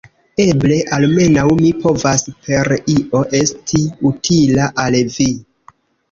Eble almenaŭ mi povas per io esti utila al vi.